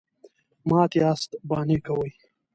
_مات ياست، بانې کوئ.